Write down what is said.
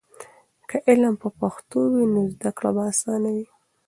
که علم په پښتو وي نو زده کړه به آسانه وي.